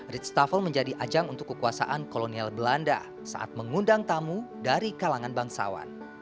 red shuffle menjadi ajang untuk kekuasaan kolonial belanda saat mengundang tamu dari kalangan bangsawan